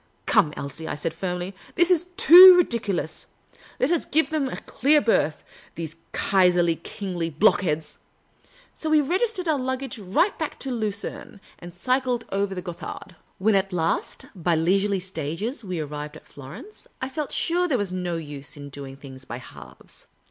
" Come, Elsie," I said, firmly, " this is too ridiculous. Let us give them a clear berth, the.se Kaiserly Kingly block heads !" So we registered our luggage right back to Lu cerne, and cycled over the Gothard. When at last, by leisurely stages, we arrived at Florence, I felt there was no use in doing things bj' halves.